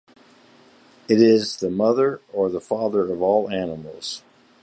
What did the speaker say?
It is the mother or the father of all animals.